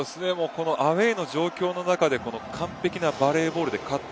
このアウェーの状況の中で完璧なバレーボールで勝った。